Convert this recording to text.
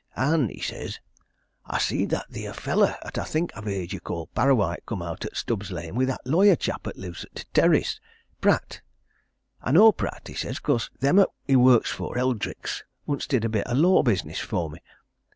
An,' he says, 'I see'd that theer feller 'at I think I've heerd you call Parrawhite, come out o' Stubbs' Lane wi' that lawyer chap 'at lives i' t' Terrace Pratt. I know Pratt,' he says, ''cause them 'at he works for Eldricks once did a bit o' law business for me.'